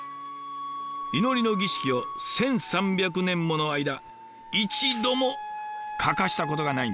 祈りの儀式を１，３００年もの間一度も欠かしたことがないんです。